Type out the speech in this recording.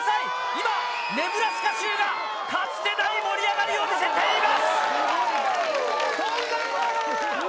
今ネブラスカ州がかつてない盛り上がりを見せています！